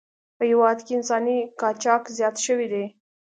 په هېواد کې انساني قاچاق زیات شوی دی.